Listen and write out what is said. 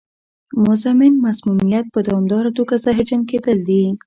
مزمن مسمومیت په دوامداره توګه زهرجن کېدل دي.